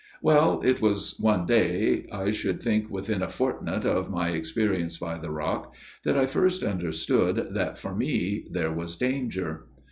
Well, it was one day, I should think within a fortnight of my experience by the rock, that I first understood that for me there was danger.